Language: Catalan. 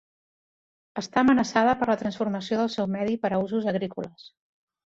Està amenaçada per la transformació del seu medi per a usos agrícoles.